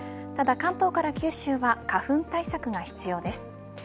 ただ関東から九州は花粉対策が必要です。